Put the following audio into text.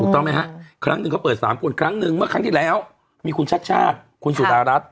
ต้องไหมฮะครั้งหนึ่งเขาเปิด๓คนครั้งหนึ่งเมื่อครั้งที่แล้วมีคุณชาติชาติคุณสุดารัฐ